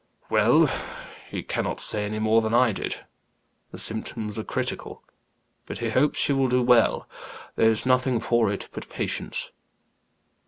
"Well, he cannot say any more than I did. The symptoms are critical, but he hopes she will do well. There's nothing for it but patience."